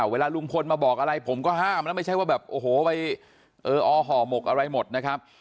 เวลาลุงพลมาบอกอะไรผมก็ห้ามนะไม่ใช่ว่าแบบโอ้โหไปเอออห่อหมกอะไรหมดนะครับ